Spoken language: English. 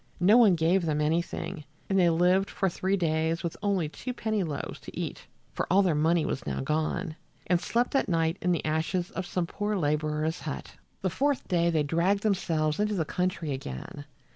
No one gave them anything, and they lived for three days with only two penny loaves to eat (for all their money was now gone), and slept at night in the ashes of some poor laborer's hut. The fourth day they dragged themselves into the country again.